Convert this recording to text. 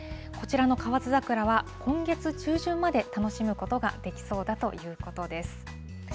こちらの河津桜は、今月中旬まで楽しむことができそうだということです。